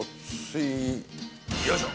よいしょ。